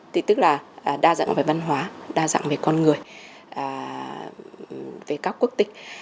thì tức là đa dạng về văn hóa đa dạng về con người về các quốc tịch